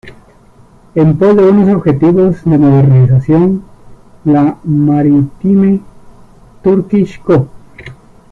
En pos de unos objetivos de modernización, la Maritime Turkish Co.